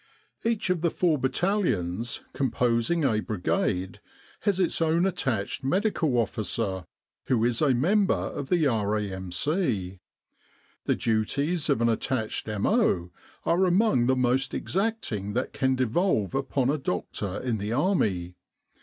Each of the four Battalions composing a Brigade has its own attached Medical Officer, who is a member of the R.A.M.C. The duties of an attached M.O. are among the most exacting that can devolve upon a doctor in the Army.